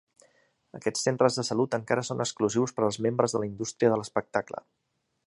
Aquests centres de salut encara són exclusius per als membres de la indústria de l'espectacle.